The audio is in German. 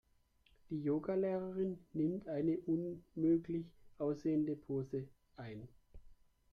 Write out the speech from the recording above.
Die Yoga-Lehrerin nimmt eine unmöglich aussehende Pose ein.